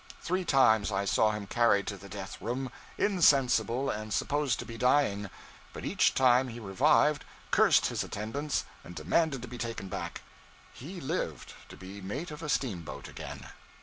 Three times I saw him carried to the death room, insensible and supposed to be dying; but each time he revived, cursed his attendants, and demanded to be taken back. He lived to be mate of a steamboat again.